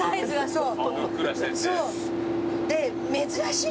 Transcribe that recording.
そう。